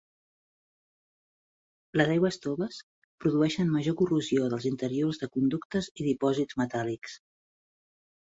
Les aigües toves produeixen major corrosió dels interiors de conductes i dipòsits metàl·lics.